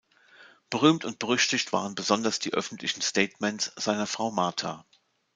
Berühmt und berüchtigt waren besonders die öffentlichen Statements seiner Frau Martha.